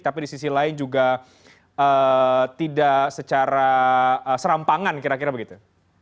tapi di sisi lain juga tidak secara serampangan kira kira begitu